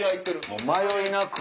迷いなく。